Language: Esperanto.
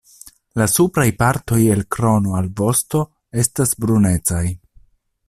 La supraj partoj el krono al vosto estas brunecaj.